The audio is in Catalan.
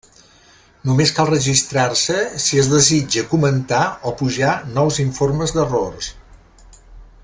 Només cal registrar-se si es desitja comentar, o pujar nous informes d'errors.